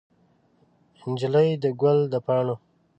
نجلۍ د ګل د پاڼو